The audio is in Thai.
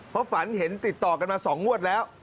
เพราะฝันเห็นติดต่อกันมา๒งวดแล้ว